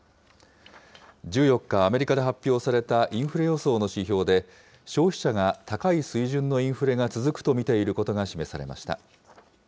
１４日、アメリカで発表されたインフレ予想の指標で、消費者が高い水準のインフレが続くと見ていることが示されました。